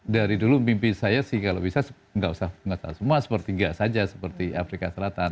dari dulu mimpi saya sih kalau bisa nggak usah semua sepertiga saja seperti afrika selatan